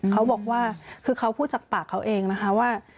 เขาบอกว่าคือเขาพูดจากปากเขาเองนะคะว่า